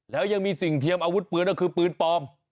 แล้วยังมีสิ่งเทียมอาวุธปืนก็คือปืนปลอม